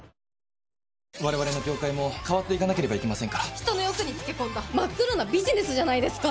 我々の業界も変わっていかなければ人の欲に付け込んだ真っ黒なビジネスじゃないですか。